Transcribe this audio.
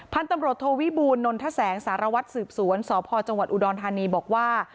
พันธุ์ตำรวจโทวิบูลนนทแสงสารวัตรสืบสวนสพจังหวัดอุดรธานีบอกว่า